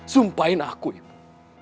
sumpahin aku ibu